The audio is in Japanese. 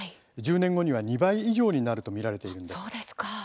１０年後には２倍以上になると見られているんです。